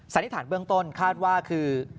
นิษฐานเบื้องต้นคาดว่าคือ